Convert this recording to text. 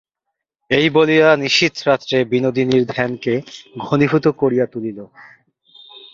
এই বলিয়া নিশীথরাত্রে বিনোদিনীর ধ্যানকে ঘনীভূত করিয়া তুলিল।